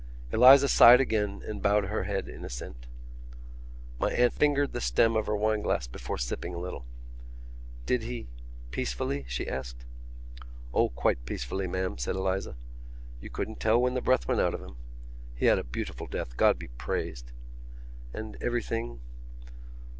Eliza sighed again and bowed her head in assent. My aunt fingered the stem of her wine glass before sipping a little. "Did he ... peacefully?" she asked. "Oh, quite peacefully, ma'am," said Eliza. "You couldn't tell when the breath went out of him. He had a beautiful death, God be praised." "And everything...?"